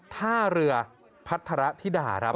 ท่าเรือพัฒระธิดาครับ